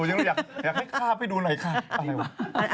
ยังอยากให้ฆ่าไปดูหน่อยค่ะอะไรวะ